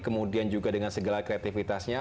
kemudian juga dengan segala kreativitasnya